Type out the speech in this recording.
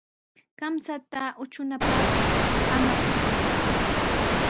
Kamchata utrunapaq samakushun.